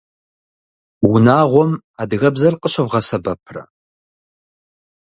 Унагъуэм адыгэбзэр къыщывгъэсэбэпрэ?